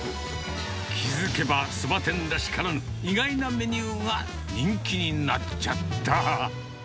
気付けばそば店らしからぬ、意外なメニューが人気になっちゃった。